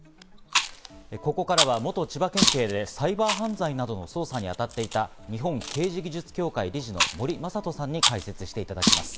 ここからは元千葉県警でサイバー犯罪などの捜査に当たっていた、日本刑事技術協会・理事の森雅人さんに解説していただきます。